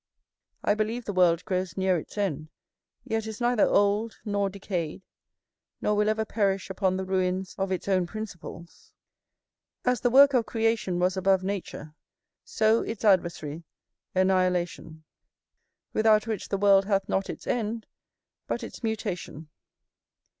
I believe the world grows near its end; yet is neither old nor decayed, nor will ever perish upon the ruins of its own principles. As the work of creation was above nature, so its adversary, annihilation; without which the world hath not its end, but its mutation.